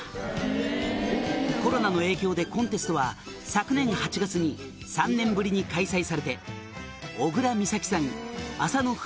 「コロナの影響でコンテストは昨年８月に３年ぶりに開催されて」